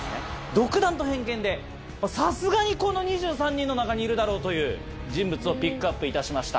独断と偏見でさすがにこの２３人の中にいるだろうという人物をピックアップいたしました。